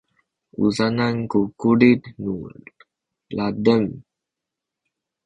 u canan ku kulit nu ladem?